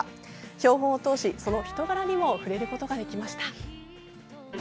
標本を通し、その人柄にも触れることができました。